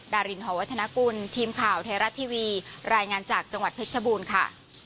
ดารินหอวัฒนกุลทีมข่าวไทยรัฐทีวีรายงานจากจังหวัดเพชรบูรณ์ค่ะ